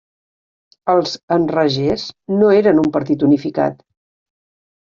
Els Enragés no eren un partit unificat.